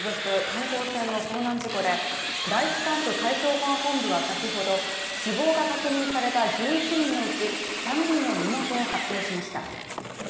観光船の遭難事故で、第一管区海上保安本部は先ほど死亡が確認された１１人のうち３人の身元を発表しました。